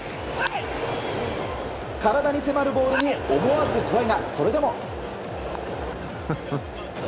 体に迫るボールに思わず声がそれでも。